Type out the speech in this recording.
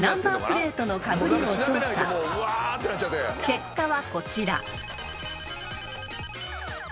［結果はこちら］